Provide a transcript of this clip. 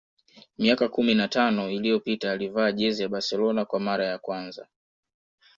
Miaka kumi na tano iliyopita alivaa jezi ya Barcelona kwa mara ya kwanza